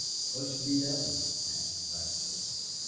"What's to be done?" asked Baxter.